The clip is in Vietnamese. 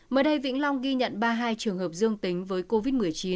mới đây vĩnh long ghi nhận ba mươi hai trường hợp dương tính với covid một mươi chín